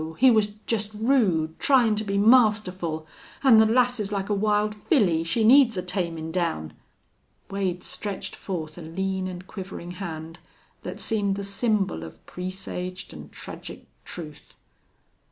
He was jest rude tryin' to be masterful.... An' the lass's like a wild filly. She needs a tamin' down." Wade stretched forth a lean and quivering hand that seemed the symbol of presaged and tragic truth.